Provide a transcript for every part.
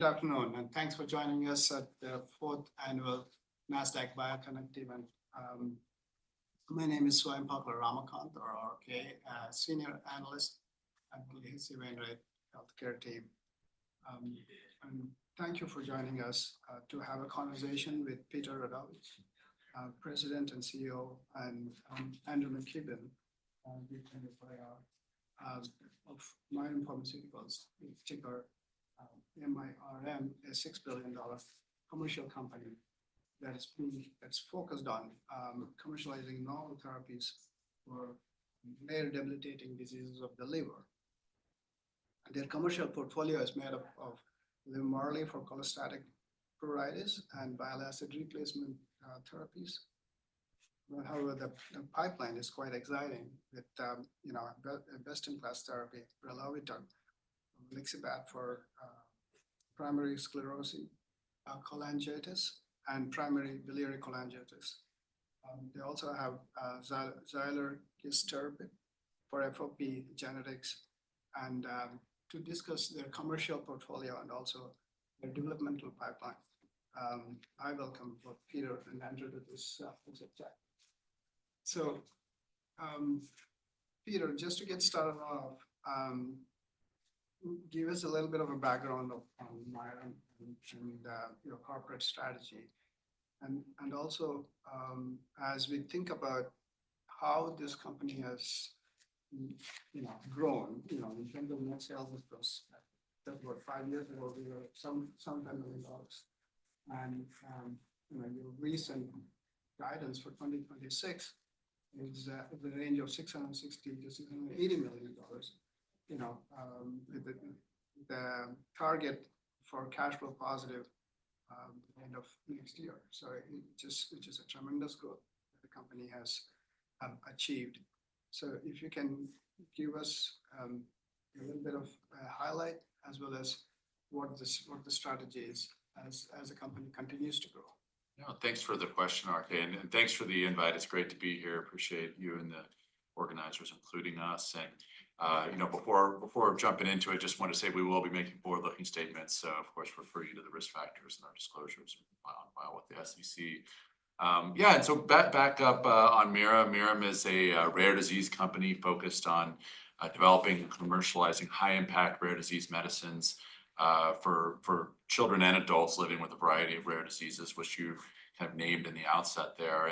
Good afternoon, and thanks for joining us at the Fourth Annual Nasdaq BioConnect event. My name is Swayampakula Ramakanth, or RK, Senior Analyst at H.C. Wainwright healthcare team. Thank you for joining us to have a conversation with Peter Radovich, President and COO, and Andrew McKibben, the SVP of Strategic Finance and IR of Mirum Pharmaceuticals, ticker MIRM, a $6 billion commercial company. That's focused on commercializing novel therapies for rare debilitating diseases of the liver. Their commercial portfolio is made up of LIVMARLI for cholestatic pruritus and bile acid sequestrant therapies. However, the pipeline is quite exciting with, you know, a best-in-class therapy, brelovitug, volixibat for primary sclerosing cholangitis and primary biliary cholangitis. They also have zilurgisertib for FOP genetics, and to discuss their commercial portfolio and also their developmental pipeline. I welcome both Peter and Andrew to this fireside chat. Peter, just to get started off, give us a little bit of a background of Mirum and showing the corporate strategy. Also, as we think about how this company has grown in terms of net sales across that were five years ago, you were $10 million. Your recent guidance for 2026 is at the range of $660 million-$780 million. The target for cash flow positive end of next year, which is a tremendous growth the company has achieved. If you can give us a little bit of highlight as well as what the strategy is as the company continues to grow. Thanks for the question, RK, and thanks for the invite. It's great to be here. Appreciate you and the organizers including Nasdaq. Just want to say we will be making forward-looking statements, so of course refer you to the risk factors in our disclosures filed with the SEC. On Mirum. Mirum is a rare disease company focused on developing and commercializing high impact rare disease medicines for children and adults living with a variety of rare diseases, which you have named in the outset there.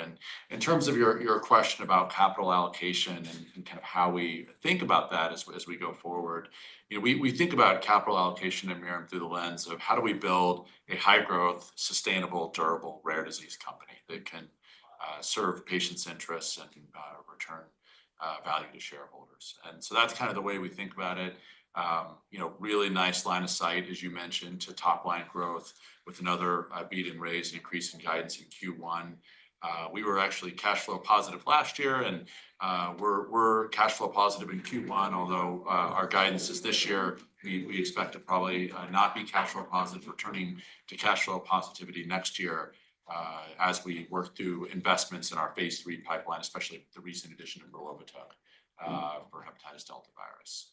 In terms of your question about capital allocation and kind of how we think about that as we go forward, you know. We think about capital allocation at Mirum through the lens of how do we build a high growth, sustainable, durable, rare disease company that can serve patients' interests and return value to shareholders. That's kind of the way we think about it. You know, really nice line of sight, as you mentioned, to top line growth with another beat and raise and increase in guidance in Q1. We were actually cash flow positive last year, and we're cash flow positive in Q1, although our guidance is this year. We expect to probably not be cash flow positive, returning to cash flow positivity next year, as we work through investments in our phase III pipeline, especially with the recent addition of brelovitug for hepatitis delta virus.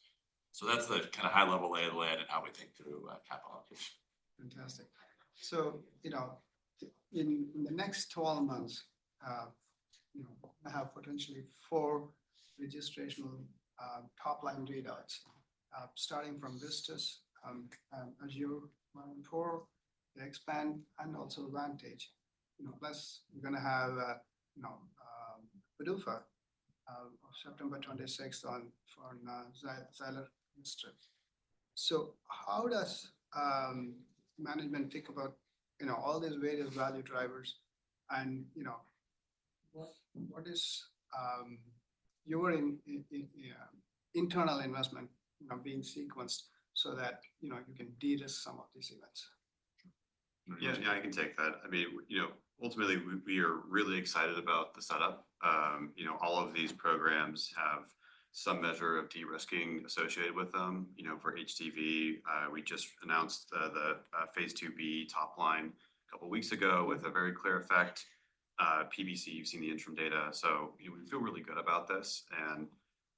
That's the kind of high level lay of the land and how we think through capital allocation. Fantastic. You know, in the next 12 months, you know, have potentially four registrational top line readouts, starting from VISTAS, as you mentioned before, the EXPAND and also VANTAGE. You know, plus you're gonna have, you know, PDUFA on September 26th on, for zilurgisertib. How does management think about, you know, all these various value drivers? And, you know, what is your internal investment, you know, being sequenced so that, you know, you can de-risk some of these events? Yeah, I can take that. I mean, you know, ultimately we are really excited about the setup. All of these programs have some measure of de-risking associated with them. You know, for HDV, we just announced the phase II-B top line a couple weeks ago with a very clear effect. PBC, you've seen the interim data, you know, we feel really good about this.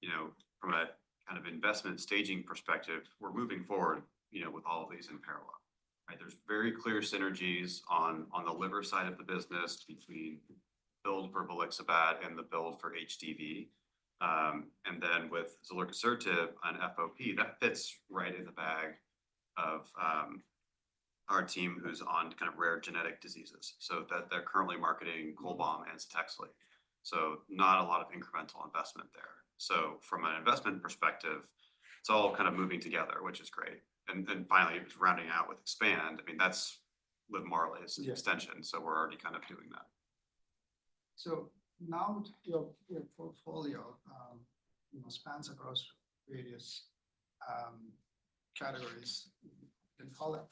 You know, from a kind of investment staging perspective, we're moving forward, you know, with all of these in parallel, right? There's very clear synergies on the liver side of the business between build for volixibat and the build for HDV. With zilurgisertib on FOP, that fits right in the bag of our team who's on kind of rare genetic diseases. That they're currently marketing CHOLBAM and CTEXLI. Not a lot of incremental investment there. From an investment perspective, it's all kind of moving together, which is great. Finally, just rounding out with EXPAND, I mean, that's LIVMARLI's extension. Yeah. We're already kind of doing that. Now your portfolio, you know, spans across various categories in clinic,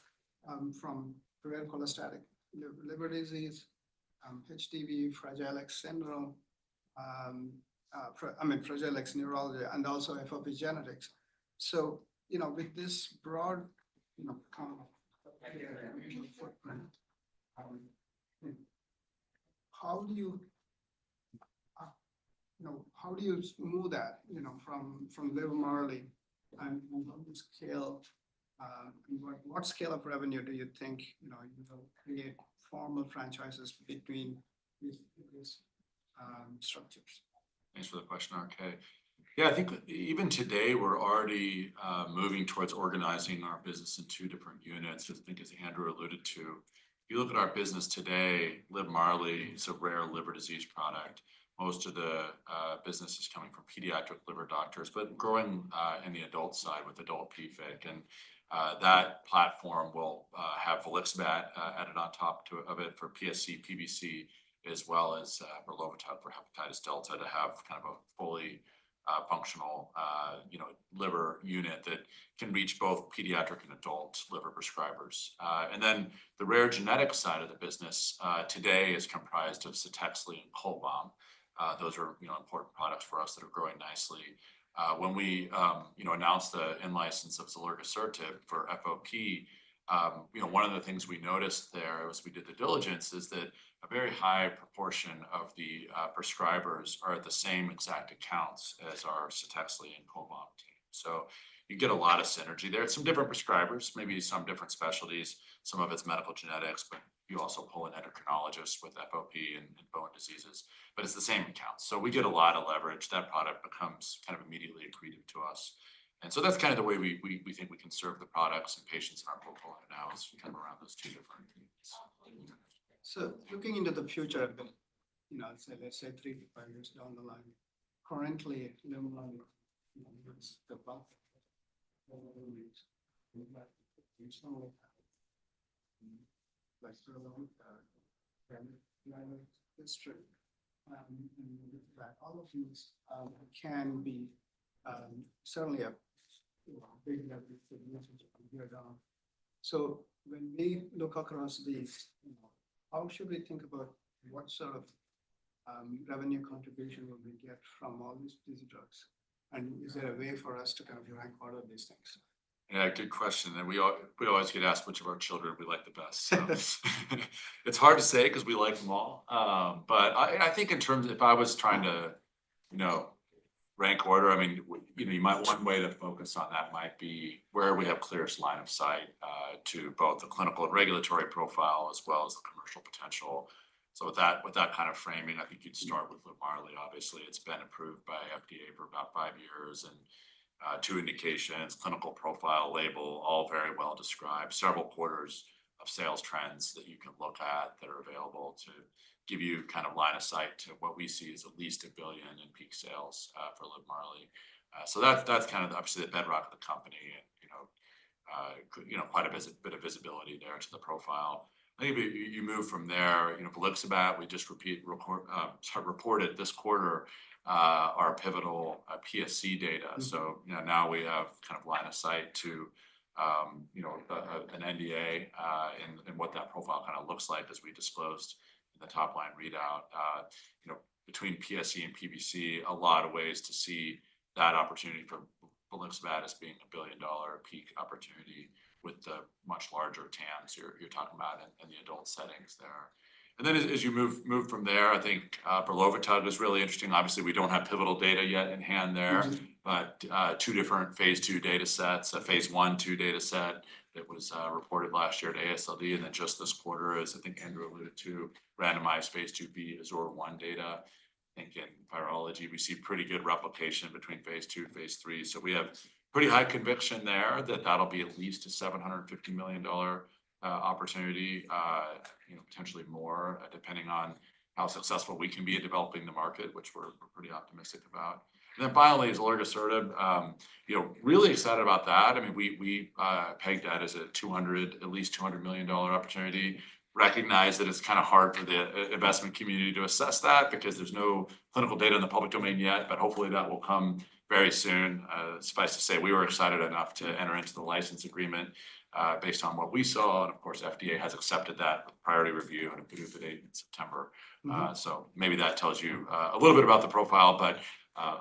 from the rare cholestatic liver disease, HDV, Fragile X syndrome, I mean, Fragile X neurology, and also FOP genetics. You know, with this broad, how do you know, how do you move that, you know, from LIVMARLI and move on to scale, what scale of revenue do you think, you know, you will create formal franchises between these structures? Thanks for the question, RK. I think even today we're already moving towards organizing our business in two different units. I think as Andrew alluded to, if you look at our business today, LIVMARLI is a rare liver disease product. Most of the business is coming from pediatric liver doctors, but growing in the adult side with adult PFIC. That platform will have volixibat added on top of it for PSC/PBC, as well as brelovitug for hepatitis delta to have kind of a fully functional, you know, liver unit that can reach both pediatric and adult liver prescribers. The rare genetic side of the business today is comprised of CTEXLI and CHOLBAM. Those are, you know, important products for us that are growing nicely. When we, you know, announced the in-license of zilurgisertib for FOP, you know, one of the things we noticed there as we did the diligence is that a very high proportion of the prescribers are at the same exact accounts as our CTEXLI and CHOLBAM team. You get a lot of synergy there. Some different prescribers, maybe some different specialties, some of it's medical genetics, but you also pull in endocrinologists with FOP and bone diseases, but it's the same accounts. We get a lot of leverage. That product becomes kind of immediately accretive to us. That's kind of the way we think we can serve the products and patients in our portfolio now as we come around those two different units. Looking into the future, you know, let's say three to five years down the line, currently LIVMARLI, you know, is above all other leads. We've got additional leads, like brelovitug and volixibat, and with that all of these can be certainly, you know, a big message a year down. When we look across these, you know, how should we think about what sort of revenue contribution will we get from all these drugs? And is there a way for us to kind of rank order these things? Yeah, good question. We always get asked which of our children we like the best. It's hard to say because we like them all. I think in terms If I was trying to, you know, rank order, I mean, you know, you might. One way to focus on that might be where we have clearest line of sight to both the clinical and regulatory profile as well as the commercial potential. With that, with that kind of framing, I think you'd start with LIVMARLI, obviously. It's been approved by FDA for about five years and two indications, clinical profile, label, all very well described. Several quarters of sales trends that you can look at that are available to give you kind of line of sight to what we see as at least a billion in peak sales for LIVMARLI. That's kind of obviously the bedrock of the company and, you know, could, you know, quite a bit of visibility there to the profile. I think if you move from there, you know, volixibat, we just sort of reported this quarter our pivotal PSC data. You know, now we have kind of line of sight to, you know, an NDA and what that profile kind of looks like as we disclosed the top line readout. You know, between PSC and PBC, a lot of ways to see that opportunity for volixibat as being a billion-dollar peak opportunity with the much larger TAMs you're talking about in the adult settings there. As you move from there, I think brelovitug is really interesting. Obviously, we don't have pivotal data yet in hand there. Two different phase II data sets, a phase I/II data set that was reported last year at AASLD. Just this quarter, as I think Andrew alluded to, randomized phase II-B AZURE-1 data. I think in virology we see pretty good replication between phase II and phase III. We have pretty high conviction there that'll be at least a $750 million opportunity. You know, potentially more, depending on how successful we can be at developing the market, which we're pretty optimistic about. Finally, zilurgisertib, you know, really excited about that. I mean, we pegged that as at least a $200 million opportunity. Recognize that it's kind of hard for the investment community to assess that because there's no clinical data in the public domain yet, but hopefully that will come very soon. Suffice to say, we were excited enough to enter into the license agreement, based on what we saw, and of course, FDA has accepted that with priority review and a PDUFA date in September. Maybe that tells you a little bit about the profile, but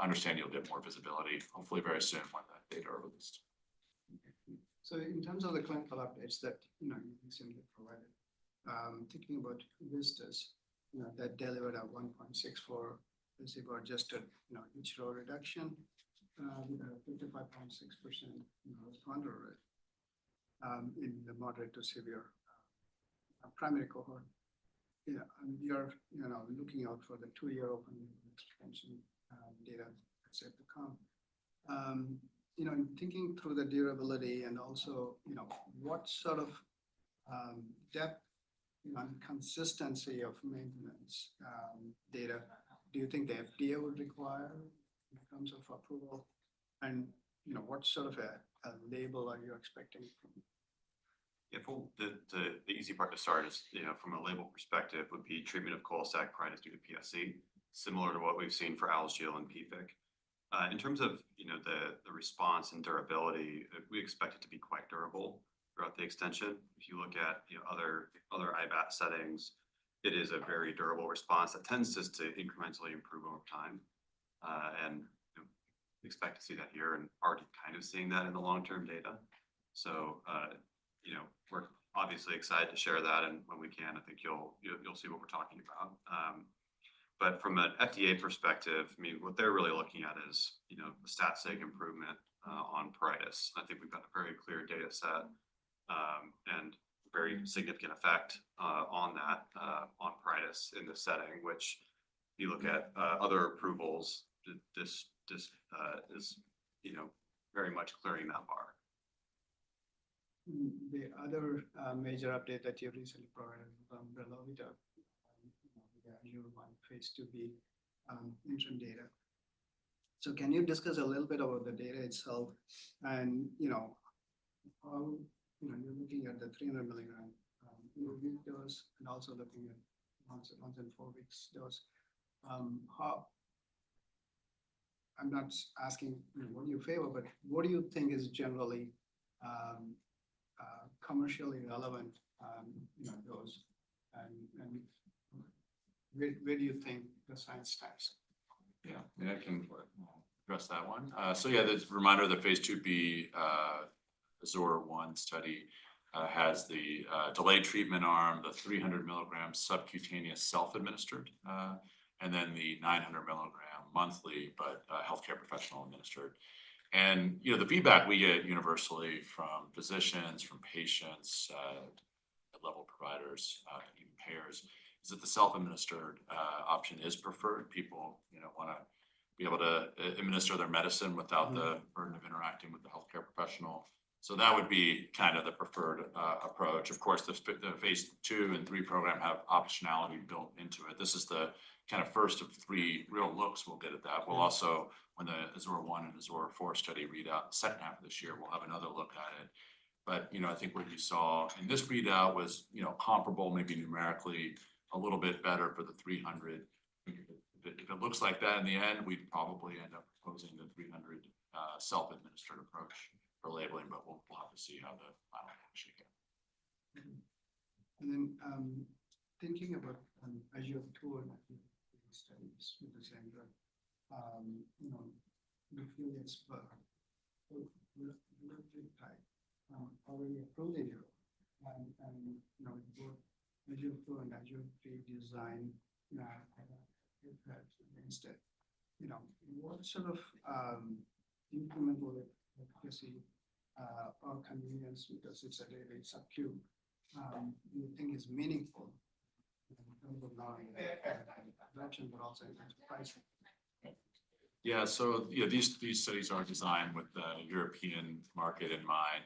understand you'll get more visibility hopefully very soon when that data are released. In terms of the clinical updates that, you know, you seemingly provided, thinking about VISTAS, you know, that delivered a 1.64 placebo-adjusted, you know, sBA reduction, with a 55.6%, you know, responder rate, in the moderate to severe, primary cohort. You know, and you're looking out for the two-year open extension, data et cetera to come. You know, in thinking through the durability and also, you know, what sort of, depth, you know, and consistency of maintenance data do you think the FDA would require in terms of approval? You know, what sort of a label are you expecting from them? Well, the easy part to start is, you know, from a label perspective would be treatment of cholestatic pruritus due to PSC, similar to what we've seen for ALGS and PFIC. In terms of, you know, the response and durability, we expect it to be quite durable throughout the extension. If you look at, you know, other IBAT settings, it is a very durable response that tends just to incrementally improve over time. Expect to see that here and already kind of seeing that in the long-term data. you know, we're obviously excited to share that and when we can, I think you'll see what we're talking about. From an FDA perspective, I mean, what they're really looking at is, you know, the stat sig improvement on pruritus. I think we've got a very clear data set and very significant effect on that on pruritus in this setting, which you look at other approvals this is, you know, very much clearing that bar. The other major update that you recently provided on the brelovitug, you know, the new one, phase II-B, interim data. Can you discuss a little bit about the data itself and, you know, how, you know, you're looking at the 300 mg loading dose, and also looking at once in four weeks dose. How I'm not asking what you favor, but what do you think is generally commercially relevant, you know, dose? I mean, where do you think the science stops? Yeah. I mean, I can address that one. The reminder of the phase II-B AZURE-1 study has the delayed treatment arm, the 300 mg subcutaneous self-administered, and then the 900 mg monthly healthcare professional administered. You know, the feedback we get universally from physicians, from patients, level providers, even payers, is that the self-administered option is preferred. People, you know, wanna be able to administer their medicine. Burden of interacting with the healthcare professional. That would be kind of the preferred approach. Of course, the phase II and III program have optionality built into it. This is the kind of first of three real looks we'll get at that. We'll also, when the AZURE-1 and AZURE-4 study read out second half of this year, we'll have another look at it. You know, I think what you saw in this readout was, you know, comparable, maybe numerically a little bit better for the 300 mg. If it looks like that in the end, we'd probably end up proposing the 300 mg self-administered approach for labeling, but we'll have to see how the final action go. Thinking about, as you have two and I think three studies with the same drug, you know, the field is, already approved in Europe and, you know, did you feel that you could design that instead? You know, what sort of, implementable efficacy, or convenience, because it's a daily subcutaneous, do you think is meaningful in terms of knowing that, but also in terms of pricing? Yeah. You know, these studies are designed with the European market in mind.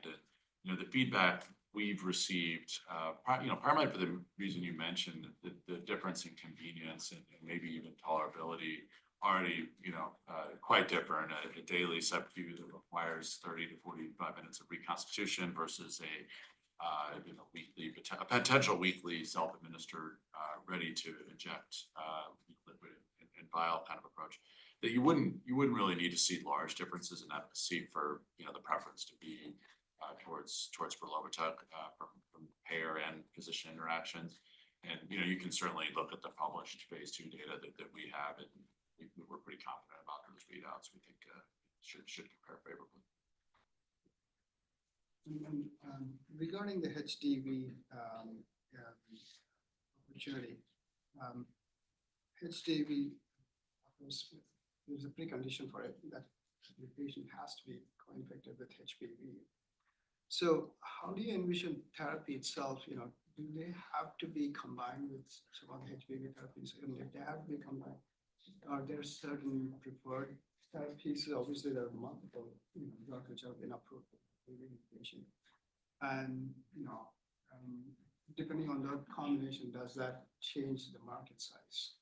You know, the feedback we've received, primarily for the reason you mentioned, the difference in convenience and maybe even tolerability already, you know, quite different. A daily subcutaneous that requires 30 minutes-45 minutes of reconstitution versus a, you know, a potential weekly self-administered, ready to inject, liquid and vial kind of approach. That you wouldn't really need to see large differences in efficacy for, you know, the preference to be towards brelovitug from payer and physician interactions. You know, you can certainly look at the published phase II data that we have, and we're pretty confident about those readouts we think should compare favorably. Regarding the HDV opportunity. HDV was, it was a precondition for it that the patient has to be co-infected with HBV. How do you envision therapy itself? You know, do they have to be combined with some other HBV therapies? If they have to be combined, are there certain preferred therapies? Obviously, there are multiple, you know, drugs which have been approved for the patient. You know, depending on the combination, does that change the market size?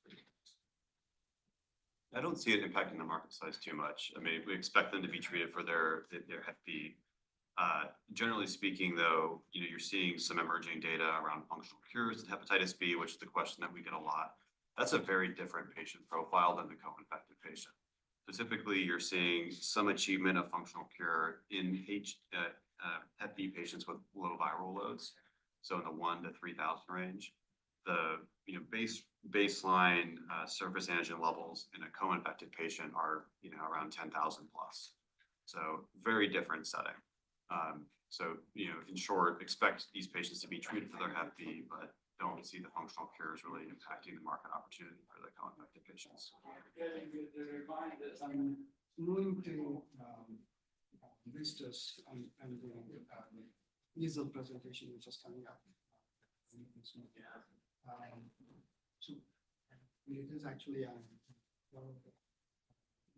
I don't see it impacting the market size too much. I mean, we expect them to be treated for their hepatitis B. Generally speaking, though, you know, you're seeing some emerging data around functional cures in hepatitis B, which is a question that we get a lot. That's a very different patient profile than the co-infected patient. Specifically, you're seeing some achievement of functional cure in hepatitis B patients with low viral loads, so in the 1,000-3,000 range. The, you know, baseline surface antigen levels in a co-infected patient are, you know, around 10,000+. Very different setting. You know, in short, expect these patients to be treated for their hepatitis B, but don't see the functional cure is really impacting the market opportunity for the co-infected patients. Getting the reminder, I'm looking at VISTAS and EASL presentation, which is coming up. It is actually a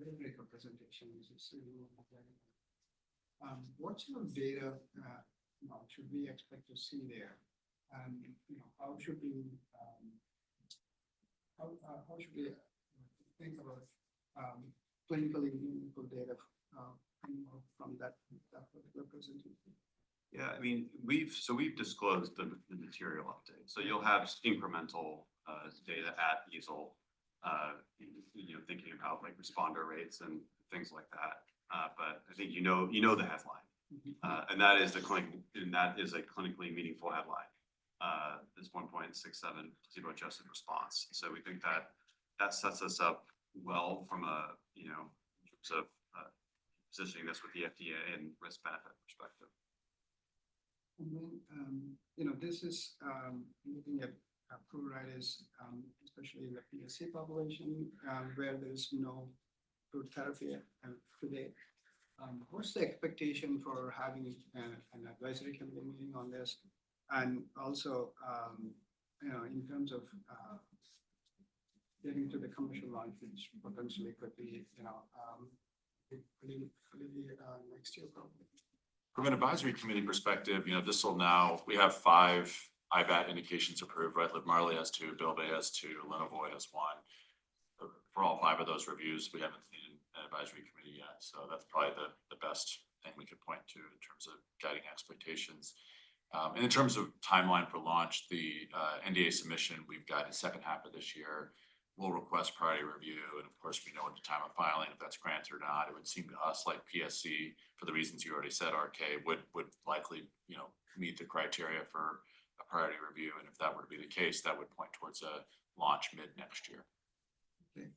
very big presentation. What sort of data should we expect to see there? You know, how should we think about clinically meaningful data coming from that particular presentation? I mean, we've disclosed the material update. You'll have incremental data at EASL, you know, thinking about like responder rates and things like that. I think you know the headline. That is a clinically meaningful headline, this 1.67 placebo-adjusted response. We think that that sets us up well from a, you know, in terms of positioning this with the FDA and risk-benefit perspective. You know, this is looking at cholangitis, especially in the PSC population, where there's no good therapy today. What's the expectation for having an advisory committee meeting on this? Also, you know, in terms of getting to the commercial launch, which potentially could be, you know, it could be next year probably? From an advisory committee perspective, you know, we have five IBAT indications approved, right? LIVMARLI has two, Bylvay has two, Lynavoy has one. For all five of those reviews, we haven't seen an advisory committee yet, so that's probably the best thing we could point to in terms of guiding expectations. In terms of timeline for launch, the NDA submission, we've got in second half of this year. We'll request priority review and of course, we know at the time of filing if that's granted or not. It would seem to us like PSC, for the reasons you already said, RK, would likely, you know, meet the criteria for a priority review. If that were to be the case, that would point towards a launch mid-next year. Okay.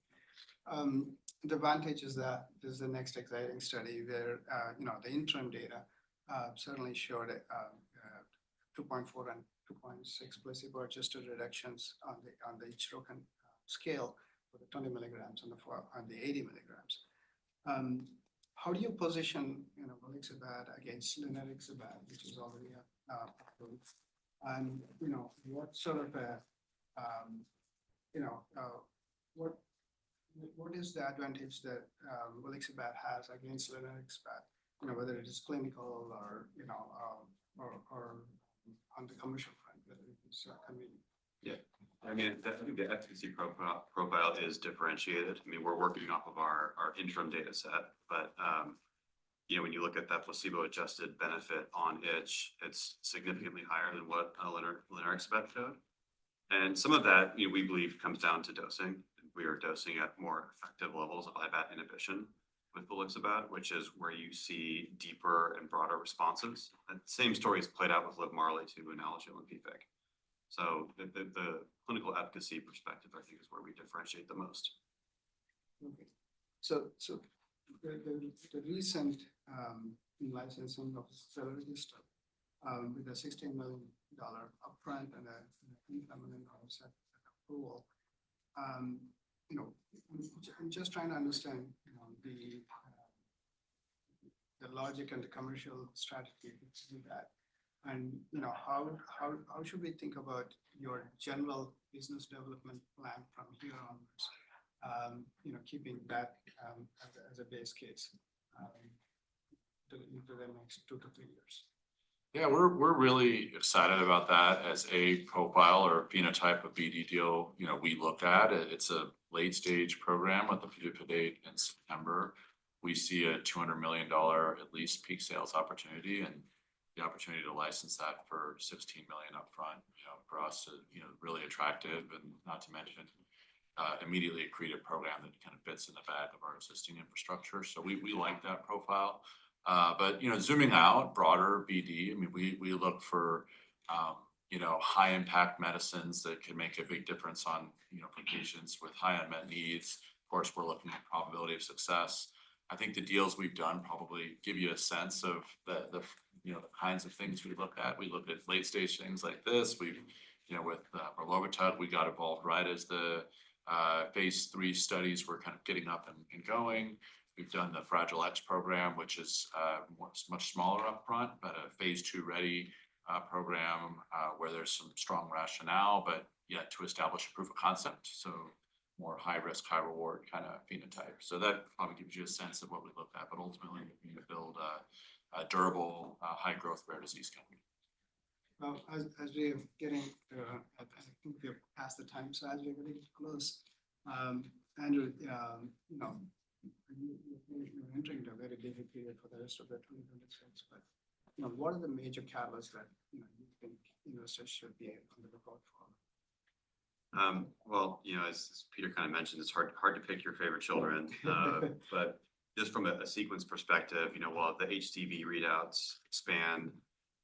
The VANTAGE is that there's the next exciting study where, you know, the interim data certainly showed 2.4 and 2.6 placebo-adjusted reductions on the itch-related scale for the 20 mg and the 80 mg. How do you position, you know, volixibat against linerixibat, which is already approved? You know, what sort of, you know, what is the VANTAGE that volixibat has against linerixibat? You know, whether it is clinical or, you know, or on the commercial front? Yeah. I mean, definitely the efficacy profile is differentiated. I mean, we're working off of our interim data set. You know, when you look at that placebo-adjusted benefit on itch, it's significantly higher than what linerixibat showed. Some of that, you know, we believe comes down to dosing. We are dosing at more effective levels of IBAT inhibition with volixibat, which is where you see deeper and broader responses. Same story has played out with LIVMARLI too, analogy with PFIC. The clinical efficacy perspective, I think, is where we differentiate the most. Okay. The recent in-licensing of zilurgisertib stuff, with a $16 million upfront and a pre-payment in terms of approval. You know, I'm just trying to understand, you know, the logic and the commercial strategy to do that. You know, how should we think about your general business development plan from here onwards, you know, keeping that as a base case into the next two to three years? Yeah. We're really excited about that as a profile or phenotype of BD deal, you know, we looked at it. It's a late-stage program with a PDUFA date in September. We see a $200 million at least peak sales opportunity, and the opportunity to license that for $16 million upfront, you know, for us is, you know, really attractive. Not to mention, immediately accretive program that kind of fits in the fad of our existing infrastructure. We like that profile. You know, zooming out broader BD, I mean, we look for, you know, high impact medicines that can make a big difference on, you know, patients with high unmet needs. Of course, we're looking at probability of success. I think the deals we've done probably give you a sense of the, you know, the kinds of things we look at. We looked at late-stage things like this. We've, you know, with brelovitug, we got involved right as the phase III studies were kind of getting up and going. We've done the Fragile X program, which is much smaller upfront, but a phase II-ready program, where there's some strong rationale, but yet to establish a proof of concept, so more high-risk, high-reward kind of phenotype. That probably gives you a sense of what we looked at. Ultimately, we build a durable, high-growth rare disease company. As we're getting, I think we're past the time, so as we're getting close. Andrew, you know, you're entering a very busy period for the rest of 2026. You know, what are the major catalysts that, you know, you think investors should be on the lookout for? Well, you know, as Peter kind of mentioned, it's hard to pick your favorite children. Just from a sequence perspective, you know, we'll have the HDV readouts, EXPAND,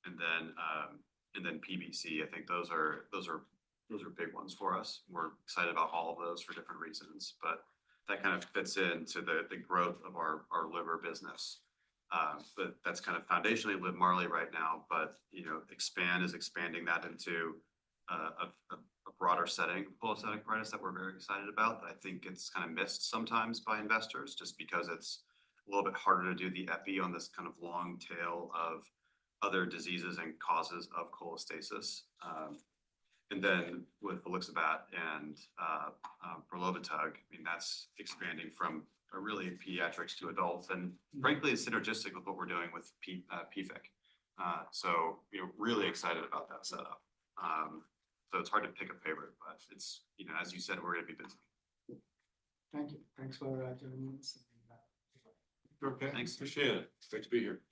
and then PBC. I think those are big ones for us. We're excited about all of those for different reasons. That kind of fits into the growth of our liver business. That's kind of foundationally LIVMARLI right now. You know, EXPAND is expanding that into a broader setting, cholestatic pruritus that we're very excited about. I think it's kind of missed sometimes by investors just because it's a little bit harder to do the epi on this kind of long tail of other diseases and causes of cholestasis. Then with volixibat and brelovitug, I mean, that's expanding from a really pediatrics to adults. Frankly, it's synergistic with what we're doing with PFIC. You know, really excited about that setup. It's hard to pick a favorite, but it's, you know, as you said, we're gonna be busy. Thank you. Thanks for joining us. Thanks. Appreciate it. Great to be here.